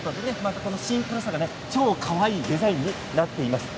このシンプルさが超かわいいデザインになっています。